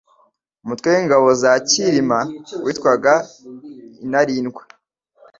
umutwe w'ingabo za Cyirima witwaga intarindwa